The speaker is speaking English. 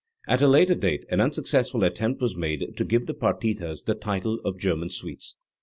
At a later date an unsuccessful attempt was made to give the partitas the title of "German suites".